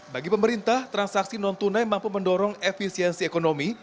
bagi pemerintah transaksi non tunai mampu mendorong efisiensi ekonomi